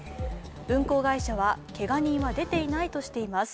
運行会社は、けが人は出ていないとしています。